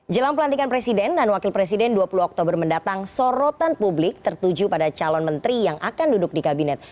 jelang pelantikan presiden dan wakil presiden dua puluh oktober mendatang sorotan publik tertuju pada calon menteri yang akan duduk di kabinet